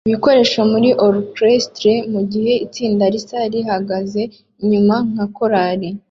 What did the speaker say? ibikoresho muri orchestre mugihe itsinda risa rihagaze inyuma nka korari